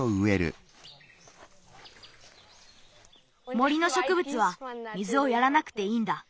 森のしょくぶつは水をやらなくていいんだ。